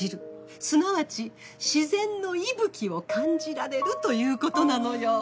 すなわち自然の息吹を感じられるということなのよ。